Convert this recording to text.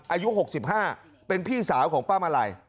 อายุ๖๕เป็นพี่สาวของป้ามาลัย